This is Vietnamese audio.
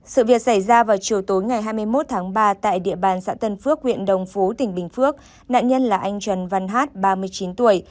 sự việc xảy ra vào chiều tối ngày hai mươi một tháng ba tại địa bàn xã tân phước huyện đồng phú tỉnh bình phước nạn nhân là anh trần văn hát ba mươi chín tuổi